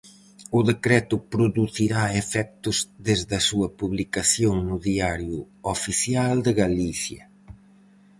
O decreto producirá efectos desde a súa publicación no Diario Oficial de Galicia.